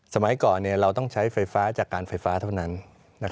สมัยก่อนเราต้องใช้ไฟฟ้าจากการไฟฟ้าเท่านั้น